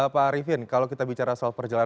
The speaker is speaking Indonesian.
pak arifin kalau kita bicara soal perjalanan